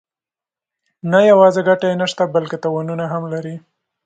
نه یوازې ګټه یې نشته بلکې تاوانونه هم لري.